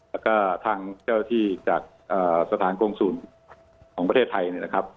แล้วก็ทางเจ้าที่จากสถานกงศูนย์ของประเทศไทยเนี่ยนะครับ